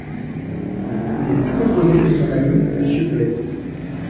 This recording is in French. Il est tout l'opposé de son ami Monsieur Belette.